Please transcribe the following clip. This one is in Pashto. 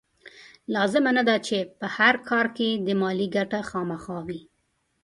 لازمه نه ده چې په هر کار کې دې مالي ګټه خامخا وي.